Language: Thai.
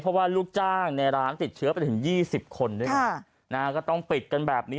เพราะว่าลูกจ้างในร้านติดเชื้อไปถึง๒๐คนด้วยกันก็ต้องปิดกันแบบนี้